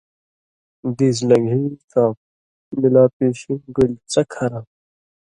دیس لن٘گھی تام، می لا پِیشیں گوٙلیۡ څک حرام۔